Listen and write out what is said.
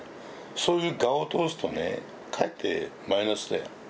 そういう我を通すとねかえってマイナスだよ。